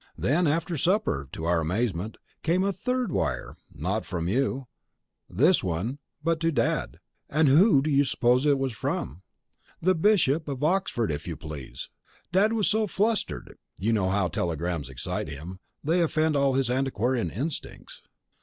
Then, after supper, to our amazement, came a third wire not from you, this one, but to Dad, and who do you suppose from? The Bishop of Oxford if you please! Dad was so flustered (you know how telegrams excite him: they offend all his antiquarian instincts!)